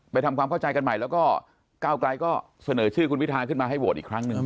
ทำความเข้าใจกันใหม่แล้วก็ก้าวไกลก็เสนอชื่อคุณพิทาขึ้นมาให้โหวตอีกครั้งหนึ่ง